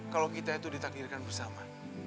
kalau kita itu ditakdirkan bersama